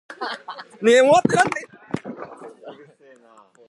私はかぜ